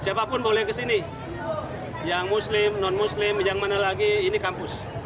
siapapun boleh kesini yang muslim non muslim yang mana lagi ini kampus